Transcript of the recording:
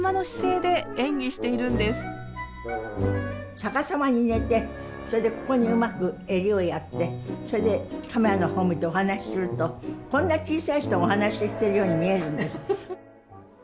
逆さまに寝てそれでここにうまく襟をやってそれでカメラの方を向いてお話しするとこんな小さい人がお話ししてるように見えるんです。